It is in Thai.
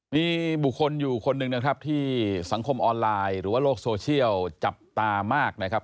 มีบุคคลอยู่คนหนึ่งนะครับที่สังคมออนไลน์หรือว่าโลกโซเชียลจับตามากนะครับ